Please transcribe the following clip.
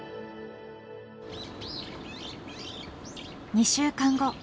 ２週間後。